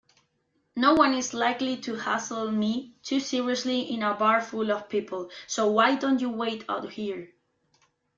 Noone is likely to hassle me too seriously in a bar full of people, so why don't you wait out here?